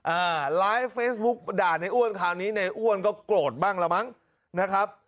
อ่าไลฟ์เฟซบุ๊กด่าในอ้วนคราวนี้ในอ้วนก็โกรธบ้างละมั้งนะครับ